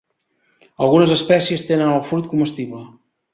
Algunes espècies tenen el fruit comestible.